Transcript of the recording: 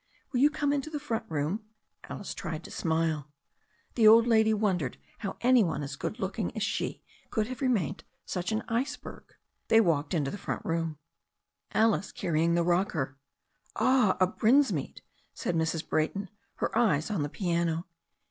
"Will you come into the front room ?" Alice tried to smile. The old lady wondered how any one as good looking as she could have remained such an iceberg. THE STORY OF A NEW ZEALAND RIVER 35 They walked into the front room, Alice carrying the rocker. "Ah, a Brinsmead!" said Mrs. Brayton, her eyes on the piano.